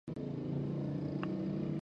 استاد د ښو اخلاقو تمرین کوي.